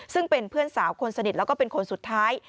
ซึ่งเป็นเพื่อนสาวคนสนิทแล้วก็เป็นคนสุดท้าย